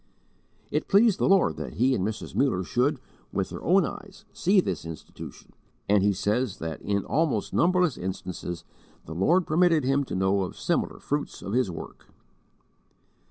It pleased the Lord that he and Mrs. Muller should, with their own eyes, see this institution, and he says that in "almost numberless instances" the Lord permitted him to know of similar fruits of his work.